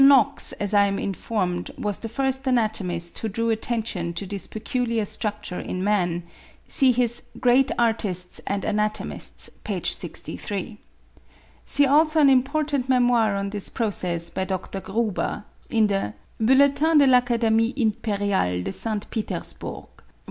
Knox, as I am informed, was the first anatomist who drew attention to this peculiar structure in man; see his 'Great Artists and Anatomists,' p. 63. See also an important memoir on this process by Dr. Gruber, in the 'Bulletin de l'Acad. Imp. de St. Petersbourg,' tom.